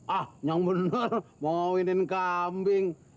ah yang bener mau iniin kambing